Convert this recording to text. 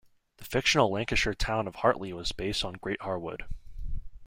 The fictional Lancashire town of Hartley was based on Great Harwood.